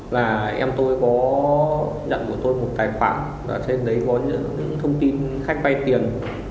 và em tôi có nhận của tôi một tài khoản và trên đấy có những thông tin khách vay tiền